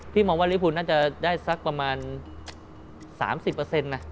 พี่มองว่าลิภูลน่าจะได้สักประมาณ๓๐เปอร์เซ็นต์นะ